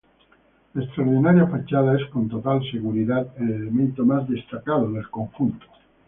La extraordinaria fachada es con total seguridad el elemento más destacado del conjunto.